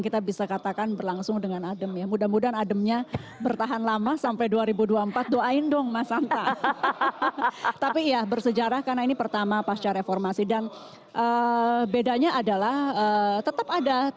tetap bersama kami di cnn indonesia prime news